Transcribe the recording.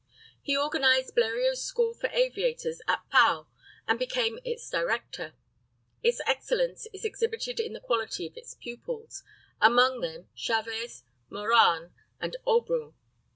He organized Bleriot's school for aviators at Pau, and became its director. Its excellence is exhibited in the quality of its pupils; among them Chavez, Morane, and Aubrun.